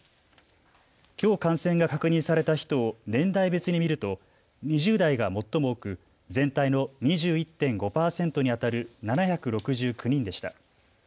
きょう感染が確認された人を年代別に見ると２０代が最も多く全体の２１．５％にあたる７６９人でした。